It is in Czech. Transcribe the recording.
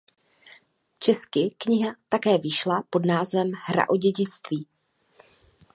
Česky kniha také vyšla pod názvem "Hra o dědictví".